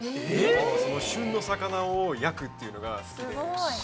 えぇ⁉旬の魚を焼くっていうのが好きで。